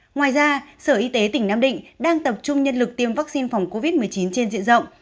ngoài ra sở y tế tỉnh nam định đang tập trung nhân lực tiêm vaccine phòng covid một mươi chín trên diện rộng